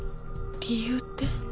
理由って？